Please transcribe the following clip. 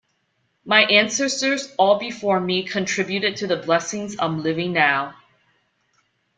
My ancestors all before me contributed to the blessings I'm living now.